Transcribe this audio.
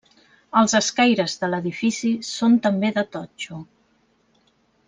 Els escaires de l'edifici són també de totxo.